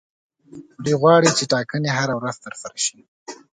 دوی غواړي چې ټاکنې هره ورځ ترسره شي.